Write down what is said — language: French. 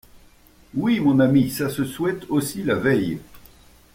Oui, mon ami, ça se souhaite aussi la veille.